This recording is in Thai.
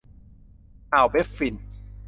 อ่าวแบฟฟิน